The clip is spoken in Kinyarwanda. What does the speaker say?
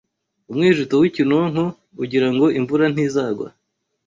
Umwijuto w'ikinonko ugirango imvura ntizagwa